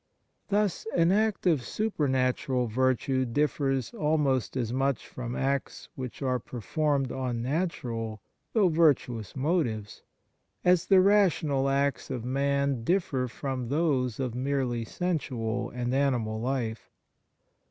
Thus, an act of super natural virtue differs almost as much from acts which are performed on natural though virtuous motives, as the rational acts of man differ from those of merely sensual and animal life.